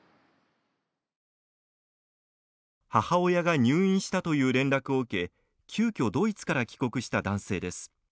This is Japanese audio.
母親が入院したという連絡を受け急きょドイツから帰国した男性です。